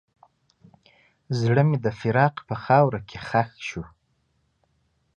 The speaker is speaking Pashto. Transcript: زړه مې د فراق په خاوره کې ښخ شو.